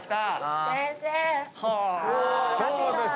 そうです。